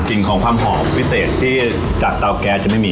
ของความหอมพิเศษที่จากเตาแก๊สจะไม่มี